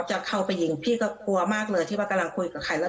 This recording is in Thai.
จะเข้าไปยิงพี่ก็กลัวมากเลยที่ว่ากำลังคุยกับใครแล้ว